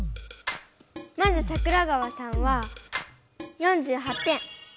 まず桜川さんは４８点。